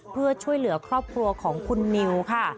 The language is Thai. เพื่อช่วยเหลือครอบครัวของคุณนิวค่ะ